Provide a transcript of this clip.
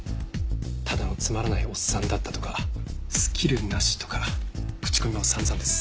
「ただのつまらないおっさんだった」とか「スキルなし」とか口コミも散々です。